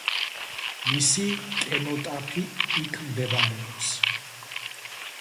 მისი კენოტაფი იქ მდებარეობს.